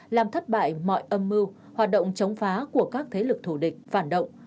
làm thất bại mọi âm mưu hoạt động chống phá của các thế lực thù địch phản động